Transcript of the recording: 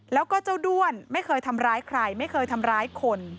แล้วก็เจ้าด้วนไม่เคยทำร้ายใครไม่เคยทำร้ายคน